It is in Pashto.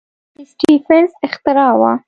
سټېفنسن اختراع وه.